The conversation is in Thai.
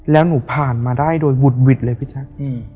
แล้วหนูผ่านมาได้โดยบุดหวิดเลยพี่แจ๊ค